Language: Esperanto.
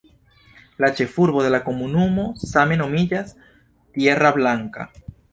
La ĉefurbo de la komunumo same nomiĝas "Tierra Blanca".